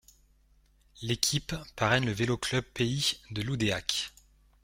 L'équipe parraine le Vélo Club Pays de Loudéac.